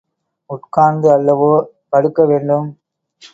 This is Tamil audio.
உட்கார்ந்து அல்லவோ படுக்க வேண்டும்?